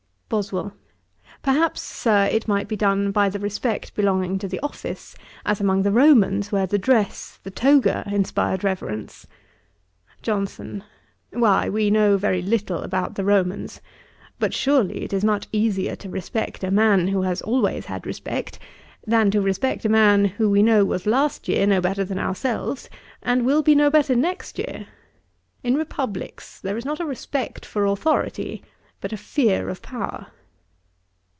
BOSWELL. 'Perhaps, Sir, it might be done by the respect belonging to office, as among the Romans, where the dress, the toga, inspired reverence.' JOHNSON. 'Why, we know very little about the Romans. But, surely, it is much easier to respect a man who has always had respect, than to respect a man who we know was last year no better than ourselves, and will be no better next year. In republicks there is not a respect for authority, but a fear of power.'